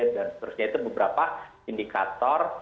dan seterusnya itu beberapa indikator